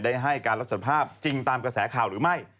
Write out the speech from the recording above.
ให้การรับสารภาพจริงตามกระแสข่าวหรือไม่